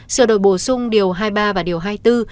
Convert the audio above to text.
sửa đổi bổ sung điều hai mươi ba và điều hai mươi bốn